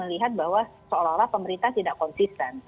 mungkin masyarakat melihat bahwa seolah olah pemerintah tidak konsisten